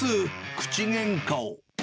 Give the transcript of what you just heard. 口げんかを。